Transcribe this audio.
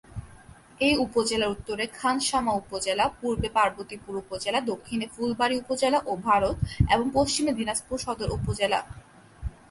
এই উপজেলার উত্তরে খানসামা উপজেলা, পূর্বে পার্বতীপুর উপজেলা, দক্ষিণে ফুলবাড়ী উপজেলা ও ভারত এবং পশ্চিমে দিনাজপুর সদর উপজেলা।